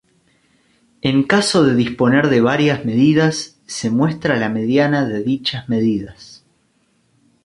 En caso de disponer de varias medidas, se muestra la mediana de dichas medidas.